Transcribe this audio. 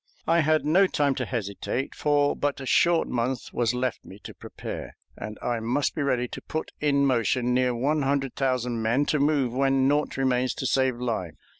I had no time to hesitate, for but a short month was left me to prepare, and I must be ready to put in motion near one hundred thousand men to move when naught remains to save life.